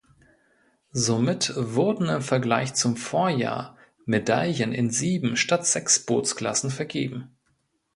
Somit wurden im Vergleich zum Vorjahr Medaillen in sieben statt sechs Bootsklassen vergeben.